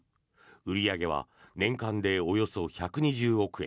売り上げは年間でおよそ１２０億円。